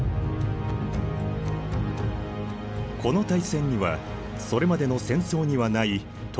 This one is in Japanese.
この大戦にはそれまでの戦争にはない特徴があった。